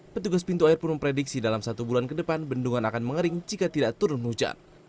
petugas pintu air pun memprediksi dalam satu bulan ke depan bendungan akan mengering jika tidak turun hujan